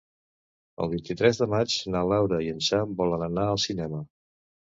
El vint-i-tres de maig na Laura i en Sam volen anar al cinema.